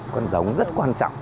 con giống rất quan trọng